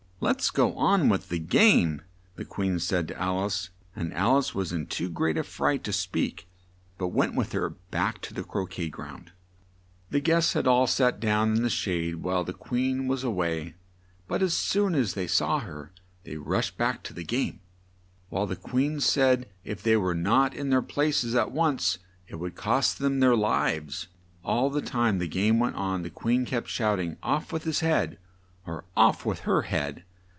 "Let's go on with the game," the Queen said to Al ice; and Al ice was in too great a fright to speak, but went with her, back to the cro quet ground. The guests had all sat down in the shade to rest while the Queen was a way, but as soon as they saw her they rushed back to the game; while the Queen said if they were not in their pla ces at once, it would cost them their lives. All the time the game went on the Queen kept shout ing, "Off with his head!" or "Off with her head!"